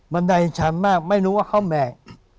ันใดชันมากไม่รู้ว่าเขาแบก